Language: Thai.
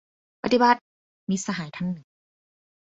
ปฏิบัติ ! - มิตรสหายท่านหนึ่ง